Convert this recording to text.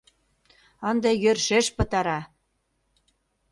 Ынде йӧршеш пытара!..